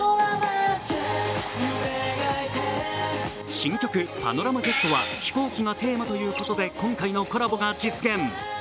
新曲「ＰＡＮＯＲＡＭＡＪＥＴ」は飛行機がテーマということで今回のコラボが実現。